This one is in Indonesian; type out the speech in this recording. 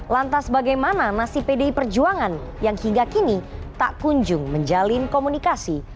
lantas bagaimana nasib pdi perjuangan yang hingga kini tak kunjung menjalin komunikasi